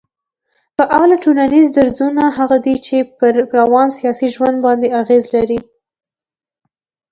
فعاله ټولنيز درځونه هغه دي چي پر روان سياسي ژوند باندي اغېز لري